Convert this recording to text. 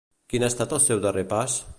Quin ha estat el seu darrer pas?